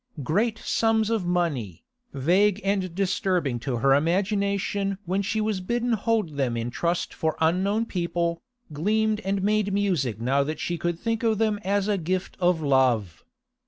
Great sums of money, vague and disturbing to her imagination when she was bidden hold them in trust for unknown people, gleamed and made music now that she could think of them as a gift of love.